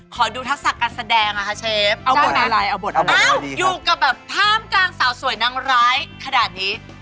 ขอดูทักษะการแสดงนะคะเชฟเอาบทอะไรเอาบทเอาอยู่กับแบบท่ามกลางสาวสวยนางร้ายขนาดนี้